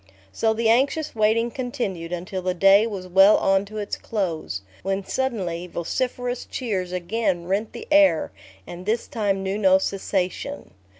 So the anxious waiting continued until the day was well on to its close, when suddenly, vociferous cheers again rent the air, and this time knew no cessation.